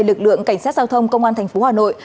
lực lượng cảnh sát giao thông công an tp hà nội